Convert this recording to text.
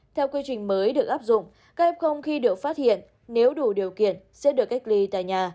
theo quy trình mới được áp dụng các f khi được phát hiện nếu đủ điều kiện sẽ được cách ly tại nhà